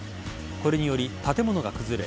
これにより建物が崩れ